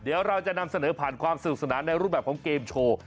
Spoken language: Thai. เดี๋ยวเราจะนำเสนอผ่านความสนุกสนานในรูปแบบของเกมโชว์